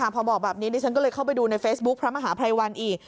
พอบอกแบบนี้ดิฉันก็เลยเข้าไปดูในเฟซบุ๊คพระมหาภัยวันอีก